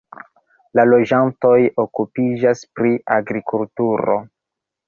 La loĝantoj okupiĝas pri agrikulturo.